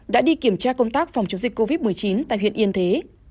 đã đi kiểm tra công tác phòng chống dịch covid một mươi chín tại huyện yên thế